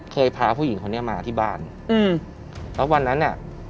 พาผู้หญิงคนนี้มาที่บ้านอืมแล้ววันนั้นอ่ะ